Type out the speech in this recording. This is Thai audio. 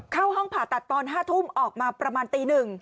เข้าห้องผ่าตัดตอน๕ทุ่มออกมาประมาณตี๑